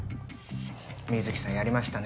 水木さんやりましたね